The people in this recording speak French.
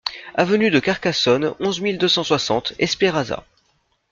Avenue de Carcassonne, onze mille deux cent soixante Espéraza